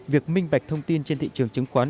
việc minh bạch thông tin trên thị trường chứng khoán